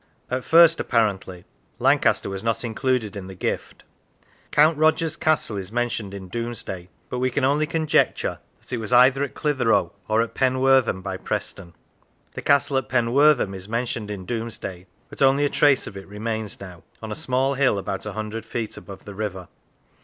At first, apparently, Lancaster was not included in the gift. Count Roger's castle is mentioned in Domes day, but we can only conjecture that it was either at Clitheroe, or at Penwortham, by Preston. The castle at Penwortham is mentioned in Domesday, but only a trace of it remains now, on a small hill about a hundred feet above the river.